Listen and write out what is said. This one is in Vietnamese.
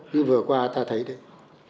như vừa qua ta thấy đấy